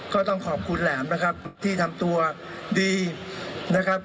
ก็ต้องขอบคุณแหลมนะครับที่ทำตัวดีนะครับ